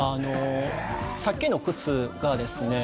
さっきの靴がですね